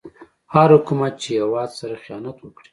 هر حکومت چې هيواد سره خيانت وکړي